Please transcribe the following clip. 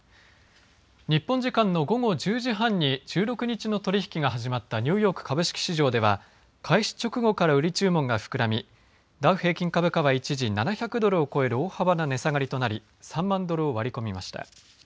日本時間の午後１０時半に１６日の取り引きが始まったニューヨーク株式市場では開始直後から売り注文が膨らみダウ平均株価は一時７００ドルを超える大幅な値下がりとなり３万ドルを割り込みました。